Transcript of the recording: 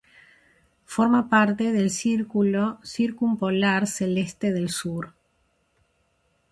Forma parte del círculo circumpolar celeste del sur.